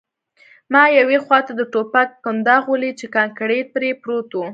ما یوې خواته د ټوپک کنداغ ولید چې کانکریټ پرې پروت و